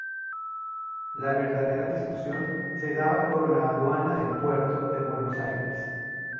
La verdadera discusión se daba por la aduana del puerto de Buenos Aires.